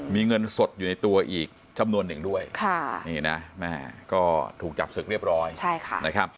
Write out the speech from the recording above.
มีเงินสดอยู่ในตัวอีกจำนวนหนึ่งด้วยนี่นะแม่ก็ถูกจับศึกเรียบร้อยนะครับ